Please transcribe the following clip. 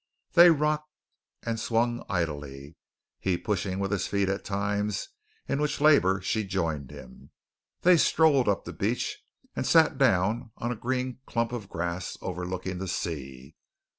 They rocked and swung idly, he pushing with his feet at times in which labor she joined him. They strolled up the beach and sat down on a green clump of grass overlooking the sea.